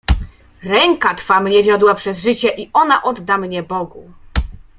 Ręka twa mnie wiodła przez życie i ona odda mnie Bogu.